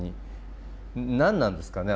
何なんですかね